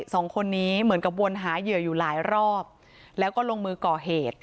สองคนนี้เหมือนกับวนหาเหยื่ออยู่หลายรอบแล้วก็ลงมือก่อเหตุ